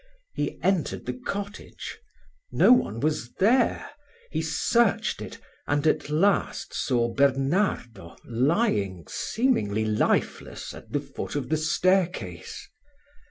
He entered the cottage no one was there: he searched it, and at last saw Bernardo lying, seemingly lifeless, at the foot of the staircase.